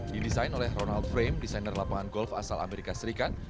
didesain oleh ronald frame desainer lapangan golf asal amerika serikat